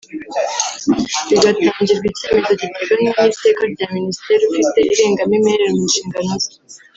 bigatangirwa icyemezo giteganywa n’Iteka rya Minisitiri ufite irangamimerere mu nshingano ze